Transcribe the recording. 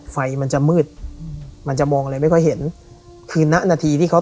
ไฟมันจะมืดมันจะมองอะไรไม่ค่อยเห็นคือณนาทีที่เขา